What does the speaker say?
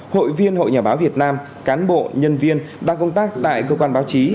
hội viên hội nhà báo việt nam cán bộ nhân viên đang công tác tại cơ quan báo chí